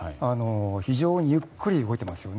非常にゆっくり動いています。